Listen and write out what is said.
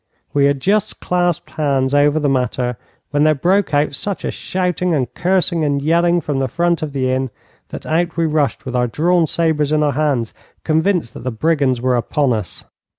We had just clasped hands over the matter when there broke out such a shouting and cursing and yelling from the front of the inn, that out we rushed with our drawn sabres in our hands, convinced that the brigands were upon us.